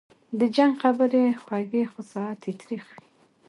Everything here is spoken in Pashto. د جنګ خبري خوږې خو ساعت یې تریخ وي